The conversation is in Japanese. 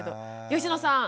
吉野さん